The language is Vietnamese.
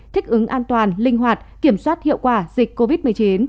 thích ứng an toàn linh hoạt kiểm soát hiệu quả dịch covid một mươi chín